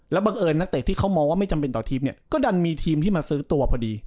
บังเอิญนักเตะที่เขามองว่าไม่จำเป็นต่อทีมเนี่ยก็ดันมีทีมที่มาซื้อตัวพอดี